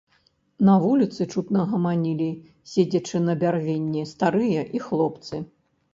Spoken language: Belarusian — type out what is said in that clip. На вуліцы, чутна, гаманілі, седзячы на бярвенні, старыя і хлопцы.